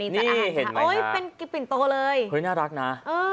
นี่เห็นไหมคะเป็นปิ่นโตเลยน่ารักนะ